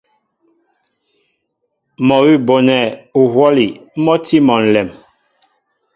Mɔ́ awʉ́ a bonɛ uhwɔ́li mɔ́ a tí mɔ ǹlɛm.